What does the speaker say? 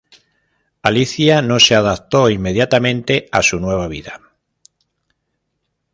Alicia no se adaptó inmediatamente a su nueva vida.